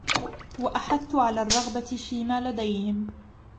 وَأَحَثُّ عَلَى الرَّغْبَةِ فِيمَا لَدَيْهِمْ